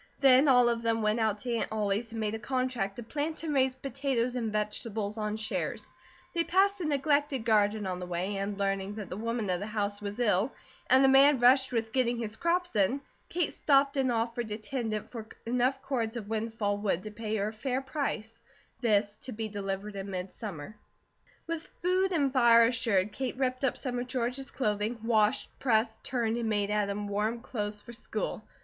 Then all of them went out to Aunt Ollie's and made a contract to plant and raise potatoes and vegetables on shares. They passed a neglected garden on the way, and learning that the woman of the house was ill, Kate stopped and offered to tend it for enough cords of windfall wood to pay her a fair price, this to be delivered in mid summer. With food and fire assured, Kate ripped up some of George's clothing, washed, pressed, turned, and made Adam warm clothes for school.